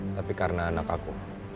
tapi karena anak aku